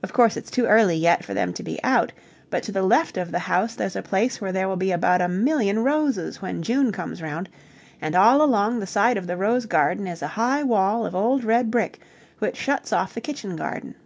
Of course it's too early yet for them to be out, but to the left of the house there's a place where there will be about a million roses when June comes round, and all along the side of the rose garden is a high wall of old red brick which shuts off the kitchen garden.